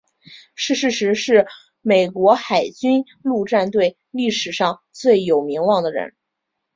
逝世时是美国海军陆战队历史上最有名望的人。